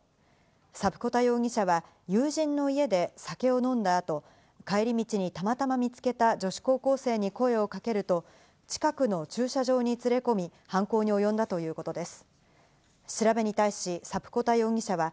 サプコタ容疑者は友人の家で酒を飲んだ後、帰り道にたまたま見つけた女子高校生に声をかけると、近くの駐車場に連れ込み、犯行におよんだということです。